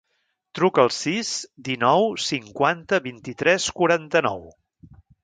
Truca al sis, dinou, cinquanta, vint-i-tres, quaranta-nou.